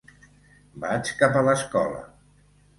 Vaig cap a l'escola.